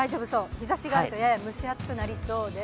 日ざしがあって、やや蒸し暑くなりそうです。